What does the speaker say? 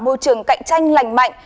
môi trường cạnh tranh lành mạnh